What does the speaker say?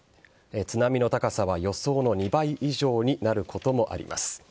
津波の高さは予想の２倍以上になることもあります。